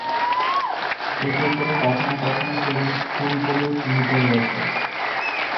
এতে করে কখনো কখনো সেগুলো স্থূল বলেও চিহ্নিত হয়েছে।